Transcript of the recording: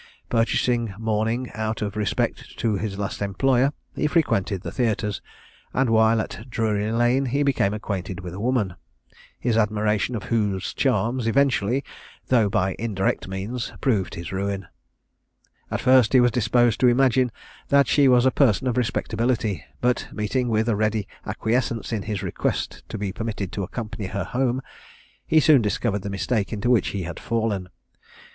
Purchasing mourning out of respect to his last employer, he frequented the theatres, and while at Drury lane he became acquainted with a woman, his admiration of whose charms eventually, though by indirect means, proved his ruin. At first, he was disposed to imagine that she was a person of respectability, but, meeting with a ready acquiescence in his request to be permitted to accompany her home, he soon discovered the mistake into which he had fallen.